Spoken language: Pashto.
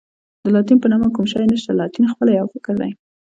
د لاتین په نامه کوم شی نشته، لاتین خپله یو فکر دی.